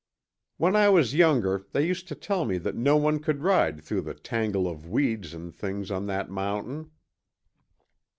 "When I was younger, they used to tell me that no one could ride through the tangle of weeds and things on that mountain."